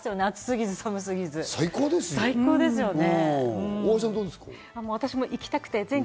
暑すぎず寒すぎず最高ですよね。